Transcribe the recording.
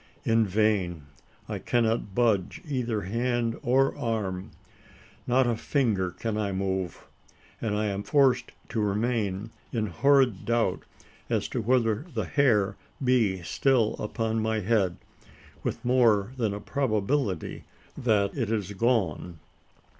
In vain: I cannot budge either hand or arm. Not a finger can I move; and I am forced to remain in horrid doubt as to whether the hair be still upon my head with more than a probability that it is gone!